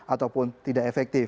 ataupun tidak efektif